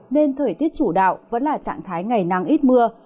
nên thời tiết chủ đạo vẫn là trạng thái ngày nắng ít mưa